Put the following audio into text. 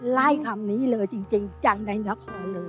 ไล่คำนี้เลยจริงจังในนครเลย